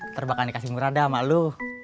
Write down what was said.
ntar bakal dikasih muradah sama lo